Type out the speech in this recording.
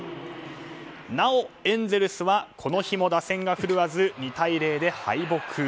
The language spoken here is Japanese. なお、エンゼルスはこの日も打線が振るわず２対０で敗北。